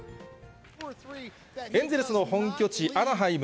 エンゼルスの本拠地、アナハイム。